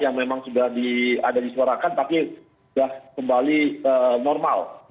yang memang sudah ada disuarakan tapi sudah kembali normal